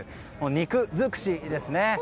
肉づくしですね。